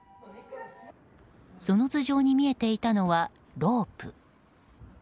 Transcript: その頭上に見えていたのはロープ。